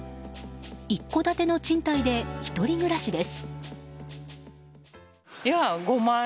一戸建ての賃貸で１人暮らしです。